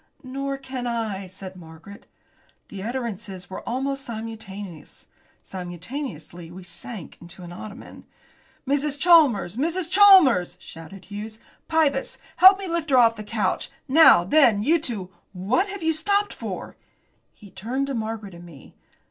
"Nor can I," said Margaret. The utterances were almost simultaneous. Simultaneously we sank into an ottoman. "Mrs. Chalmers! Mrs. Chalmers!" shouted Hughes, "Pybus, help me to lift her off the couch. Now, then, you two, what have you stopped for?" He turned to Margaret and me.